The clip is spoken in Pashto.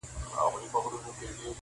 خپل تعلیم یې کئ پوره په ښه مېړانه,